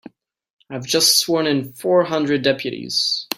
I've just sworn in four hundred deputies.